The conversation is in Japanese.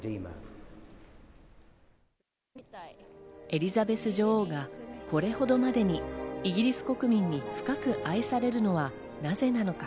エリザベス女王がこれほどまでにイギリス国民に深く愛されるのはなぜなのか？